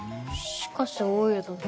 しかし大家どの。